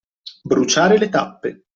Bruciare le tappe.